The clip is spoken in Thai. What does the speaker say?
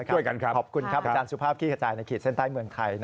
ขอบคุณครับอาจารย์สุภาพขี้ขจายณขีดเส้นใต้เมืองไทย